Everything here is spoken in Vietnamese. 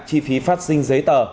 chi phí phát sinh giấy tờ